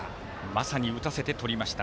まさに打たせてとりました。